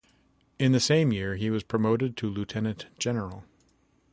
In the same year he was promoted to lieutenant general.